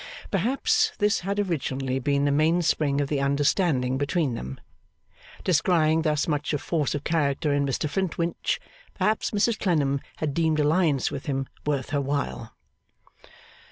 Perhaps this had originally been the mainspring of the understanding between them. Descrying thus much of force of character in Mr Flintwinch, perhaps Mrs Clennam had deemed alliance with him worth her while.